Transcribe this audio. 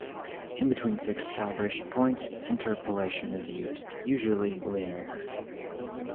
In between fixed calibration points, interpolation is used, usually linear.